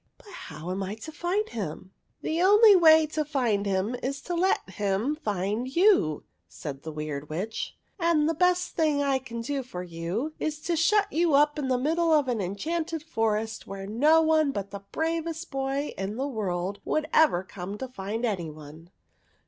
But how am I to find him ?"" The only way to find him is to let him find you," said the Weird Witch; "and the best thing I can do for you is to shut you up in the middle of an enchanted forest, where no one but the bravest boy in the world would ever come to find any one.